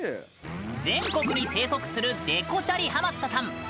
全国に生息するデコチャリハマったさん。